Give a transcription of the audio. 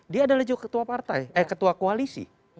dia adalah juga ketua partai eh ketua koalisi